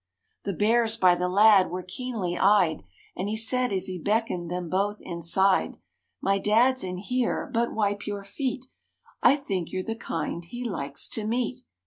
The Bears by the lad were keenly eyed, And he said as he beckoned them both inside: "My Dad' s in here; but wipe your feet; I think you're the kind he likes to meet."